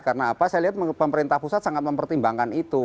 karena apa saya lihat pemerintah pusat sangat mempertimbangkan itu